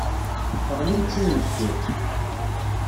Teɣlim d timendeffirt.